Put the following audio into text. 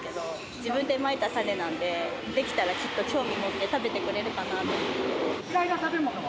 自分でまいた種なんで、出来たらきっと興味持って食べてくれるか嫌いな食べ物は？